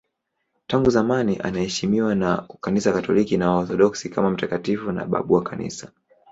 Tangu zamani anaheshimiwa na Kanisa Katoliki na Waorthodoksi kama mtakatifu na babu wa Kanisa.